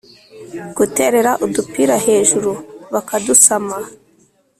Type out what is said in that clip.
guterera udupira hejuru bakadusama